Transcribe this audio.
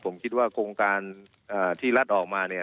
ผมคิดว่าโครงการที่รัดออกมา